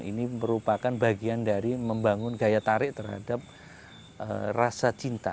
ini merupakan bagian dari membangun daya tarik terhadap rasa cinta